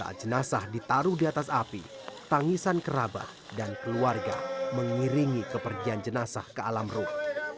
saat jenazah ditaruh di atas api tangisan kerabat dan keluarga mengiringi kepergian jenazah ke alam ruh